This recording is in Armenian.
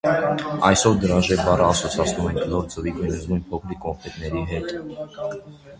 Այսօր դրաժե բառը ասոցացնում են կլոր ձևի գույնզգույն փոքրիկ կոնֆետների հետ։